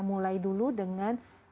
mulai dulu dengan